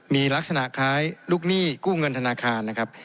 มีลักษณะคล้ายลูกหนี้กู้เงินธนาคารนะครับ